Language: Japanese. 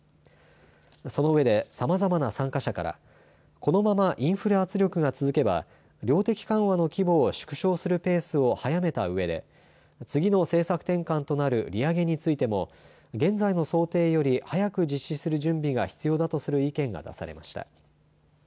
そのうえでさまざまな参加者からこのままインフレ圧力が続けば量的緩和の規模を縮小するペースを速めたうえで次の政策転換となる利上げについても現在の想定より早く実施する準備が必要だとする意見が出されました。